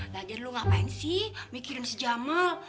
lagi lu ngapain sih mikirin si jamal